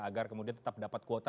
agar kemudian tetap dapat kuota